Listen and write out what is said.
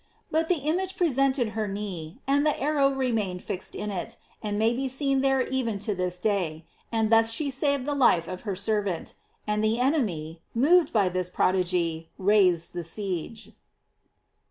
But the image pre sented her knee, and the arrow remained fixed in it, and may be seen there even to this day ; and thus she saved the life of her servant. And the enemy, moved by this prodigy, raised the siege.